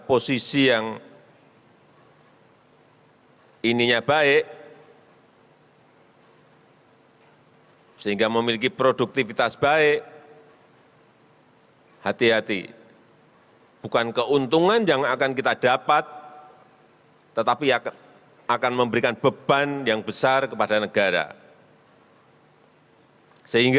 dua puluh tiga persen penyumbang stunting itu adalah masalah bayi yang belum lahir